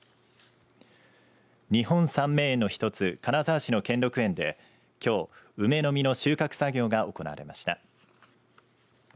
日本三名園のひとつ金沢市の兼六園できょう梅の実の収穫作業が行われました。